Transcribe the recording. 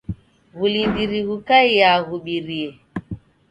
W'ulindiri ghukaiaa ghubirie.